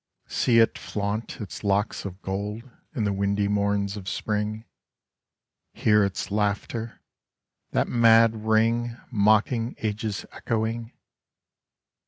^ See it flaunt its locks of gold In the windy morns of Spring; Hear its laughter — that mad ring Mocking Age's echoing.